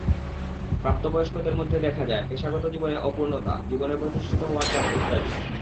প্রাপ্তবয়স্কদের মধ্যে দেখা যায়, পেশাগত জীবনে অপূর্ণতা, জীবনে প্রতিষ্ঠিত হওয়ার চাপ ইত্যাদি।